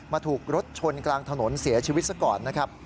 ถูกรถชนกลางถนนเสียชีวิตซะก่อนนะครับ